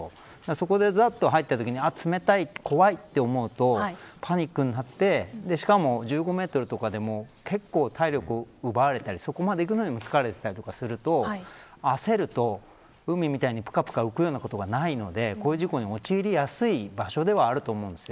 そこに入ったときに冷たい、怖いと思うとパニックになってしかも１５メートルとかでも結構体力を奪われたりそこまで行くのにも疲れていたりすると焦ると、海みたいにぷかぷか浮くようなことがないのでこういう事故に陥りやすい場所ではあると思うんです。